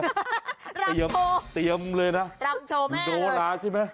รับโทรรับโชว์แม่เลยพยายามเตรียมเลยนะโนลาใช่ไหม